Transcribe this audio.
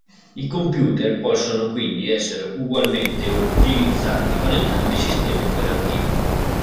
I computer possono quindi essere ugualmente utilizzati con entrambi i sistemi operativi.